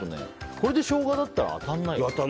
これでショウガだったら当たらないよ。